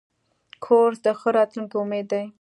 کورس د ښه راتلونکي امید دی.